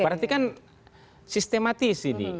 berarti kan sistematis ini